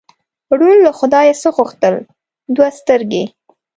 ړوند له خدایه څه غوښتل؟ دوه سترګې.